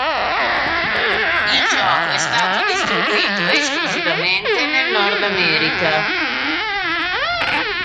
Il gioco è stato distribuito esclusivamente nel Nord America.